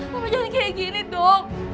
mama jangan seperti ini dong